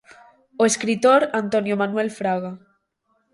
O escritor Antonio Manuel Fraga.